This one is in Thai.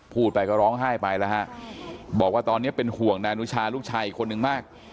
พูดไปก็ร้องไห้ไปแล้วฮะบอกว่าตอนนี้เป็นห่วงนายอนุชาลูกชายอีกคนนึงมาก